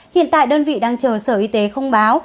hiện tại đơn vị đang chờ sở y tế không báo